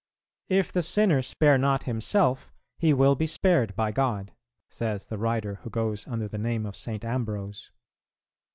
"If the sinner spare not himself, he will be spared by God," says the writer who goes under the name of St. Ambrose.